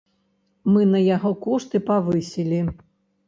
Мы на яго кошты павысілі.